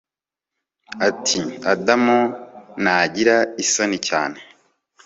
Ati Adam Nagira isoni cyane